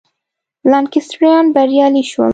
لانکسټریان بریالي شول.